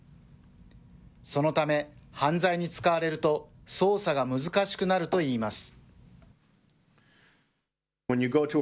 そのため、犯罪に使われると、捜査が難しくなるといいます。